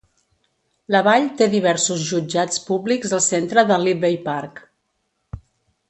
La vall té diversos jutjats públics al centre de Libbey Park.